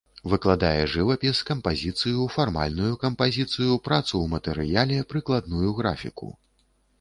Выкладае жывапіс, кампазіцыю, фармальную кампазіцыю, працу ў матэрыяле, прыкладную графіку.